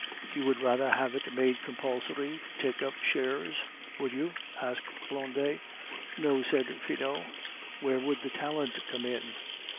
"You would rather have it made compulsory to take up shares, would you?" asked Blondet. "No," said Finot. "Where would the talent come in?"